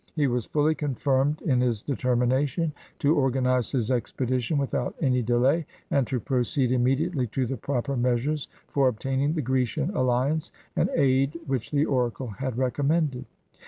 He was fully confirmed in his determination to organize his expedition without any delay, and to proceed immedi ately to the proper measures for obtaining the Grecian alHance and aid which the oracle had recommended.